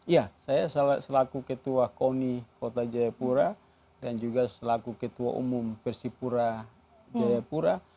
ya saya selaku ketua koni kota jayapura dan juga selaku ketua umum persipura jayapura